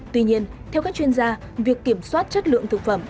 tuy nhiên theo các chuyên gia việc kiểm soát chất lượng thực phẩm